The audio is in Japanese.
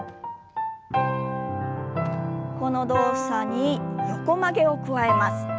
この動作に横曲げを加えます。